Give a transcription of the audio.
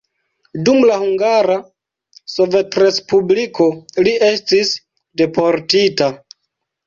Dum la Hungara Sovetrespubliko li estis deportita.